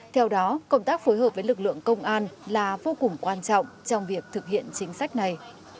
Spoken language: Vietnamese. theo đó công tác phối hợp với lực lượng công an là vô cùng quan trọng trong việc thực hiện chính sách này